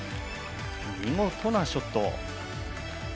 見事なショット。